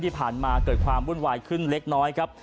ที่ผ่านมาเกิดความวุ่นวายขึ้นเล็กน้อยครับ